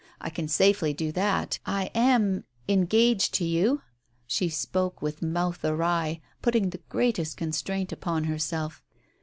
I can safely do that. I am — engaged to you !" She spoke with mouth awry, putting the greatest constraint upon herself.